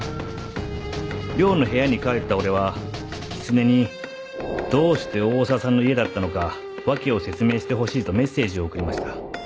寮の部屋に帰った俺は狐にどうして大沢さんの家だったのか訳を説明してほしいとメッセージを送りました。